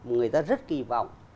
người ta rất kỳ vọng